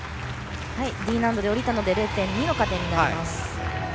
Ｄ難度で下りたので０．２の加点です。